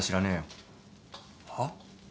はっ？